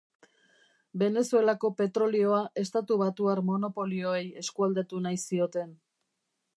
Venezuelako petrolioa estatu batuar monopolioei eskualdatu nahi zioten.